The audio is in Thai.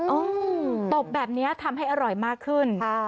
ตบแบบนี้ทำให้อร่อยมากขึ้น